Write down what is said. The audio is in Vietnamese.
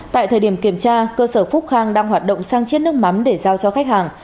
tại thời điểm kiểm tra cơ sở phúc khang đang hoạt động sang chiết nước mắm để giao cho khách hàng